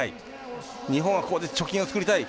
日本は、ここで貯金を作りたい。